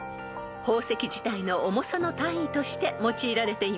［宝石自体の重さの単位として用いられています］